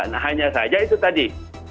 nah hanya saja itu tadi